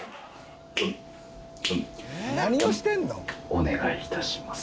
お願い致します。